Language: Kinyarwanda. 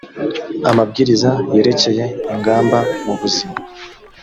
amabwiriza yerekeye ingamba mu buzima